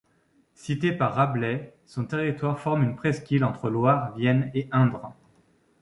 Cité par Rabelais, son territoire forme une presqu'île entre Loire, Vienne et Indre.